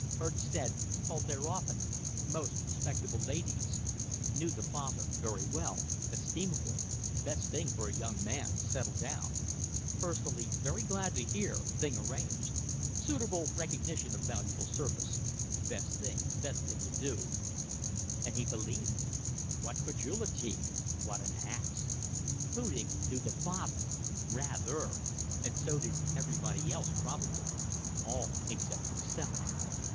"Heard said ... called there often ... most respectable ladies ... knew the father very well ... estimable ... best thing for a young man ... settle down. ... Personally, very glad to hear ... thing arranged. ... Suitable recognition of valuable services. ... Best thing best thing to do." And he believed! What credulity! What an ass! Hudig knew the father! Rather. And so did everybody else probably; all except himself.